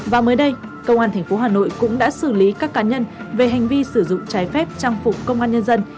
và mới đây công an tp hà nội cũng đã xử lý các cá nhân về hành vi sử dụng trái phép trang phục công an nhân dân